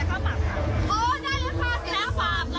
และยังไม่ได้รู้จักแฟนด้วย